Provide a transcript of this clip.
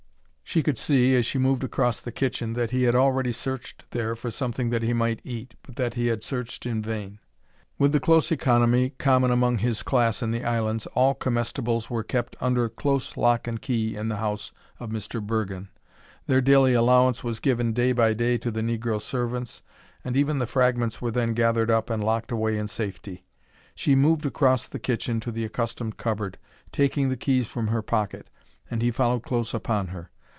She could see, as she moved across the kitchen, that he had already searched there for something that he might eat, but that he had searched in vain. With the close economy common among his class in the islands, all comestibles were kept under close lock and key in the house of Mr. Bergen. Their daily allowance was given day by day to the negro servants, and even the fragments were then gathered up and locked away in safety. She moved across the kitchen to the accustomed cupboard, taking the keys from her pocket, and he followed close upon her.